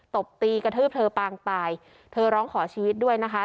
ตบตีกระทืบเธอปางตายเธอร้องขอชีวิตด้วยนะคะ